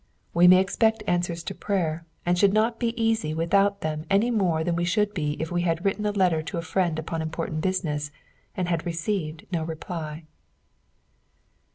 We may expect answers to prayer, and should not be easy without tht m any more than we should be if we had written a letter to a friend upon important business, and had received no reply.